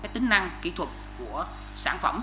tính năng kỹ thuật của sản phẩm